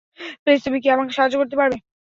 Please তুমি কী আমাকে সাহায্য করতে পারবে?